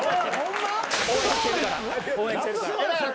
応援してるから。